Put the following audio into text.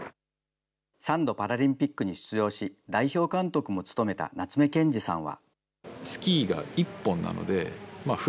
３度パラリンピックに出場し、代表監督も務めた夏目堅司さんは。